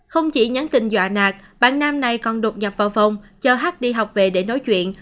không chỉ nhắn tin dọa nạt bạn nam này còn đột nhập vào phòng cho hắc đi học về để nói chuyện